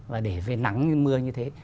và để về nắng như mưa như thế này